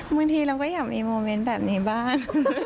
บางทีเราก็อยากมีโมเมนต์แบบนี้บ้าง